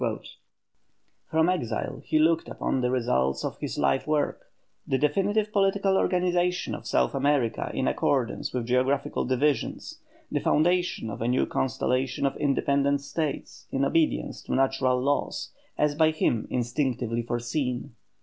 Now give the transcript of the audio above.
From exile he looked upon the results of his life work: the definitive political organization of South America in accordance with geographical divisions, the foundation of a new constellation of independent States in obedience to natural laws as by him instinctively foreseen.